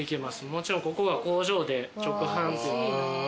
もちろんここが工場で直販。